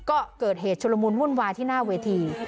ก็เกิดเหตุชุลมุนวุ่นวายที่หน้าเวที